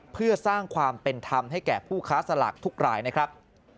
เพื่อสร้างความเป็นธรรมให้แก่ผู้ค้าสลากทุกรายนะครับ